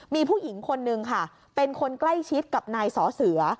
มีผู้หญิงคนนึงค่ะเป็นคนใกล้ชิดกับนายสอเสือ